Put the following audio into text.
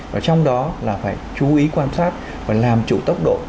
và trong đó là phải chú ý quan sát và làm chủ tốc độ